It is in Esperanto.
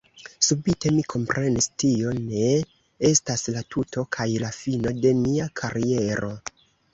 Subite mi komprenis “Tio ne estas la tuto kaj la fino de mia kariero””.